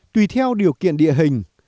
tùy theo điều kiện địa hình